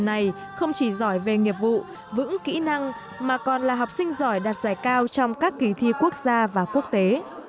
này không chỉ giỏi về nghiệp vụ vững kỹ năng mà còn là học sinh giỏi đạt giải cao trong các kỳ thi quốc gia và quốc tế